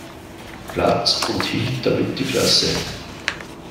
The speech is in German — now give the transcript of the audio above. Platz und hielt damit die Klasse.